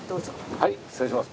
はい失礼します。